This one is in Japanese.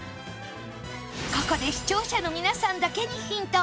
ここで視聴者の皆さんだけにヒント